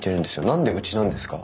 何でうちなんですか？